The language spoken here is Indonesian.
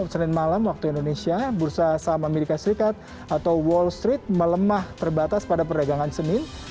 senin malam waktu indonesia bursa saham amerika serikat atau wall street melemah terbatas pada perdagangan senin